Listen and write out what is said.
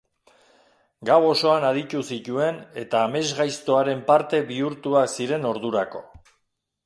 Gau osoan aditu zituen eta amesgaiztoaren parte bihurtuak ziren ordurako.